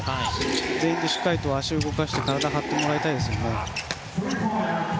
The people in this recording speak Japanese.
全員でしっかりと足を動かして体を張ってもらいたいですね。